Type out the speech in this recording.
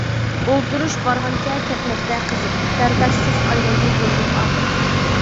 ئولتۇرۇش بارغانچە كەتمەكتە قىزىپ، بەرداشسىز ئايرىلدى بۇندىن ئاخىرى.